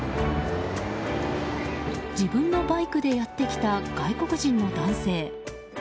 自分のバイクでやってきた外国人の男性。